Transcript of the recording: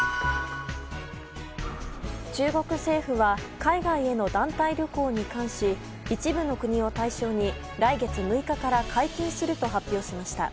中国政府は海外への団体旅行に関し一部の国を対象に来月６日から解禁すると発表しました。